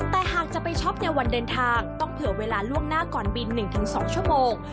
แต่หากจะไปช็อปในวันเดินทางต้องเผื่อเวลาล่วงหน้าก่อนบิน๑๒ชั่วโมง